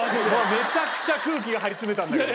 めちゃくちゃ空気が張り詰めたんだけど。